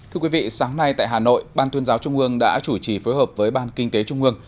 thưa quý vị sáng nay tại hà nội ban tuyên giáo trung ương đã chủ trì phối hợp với ban kinh tế trung ương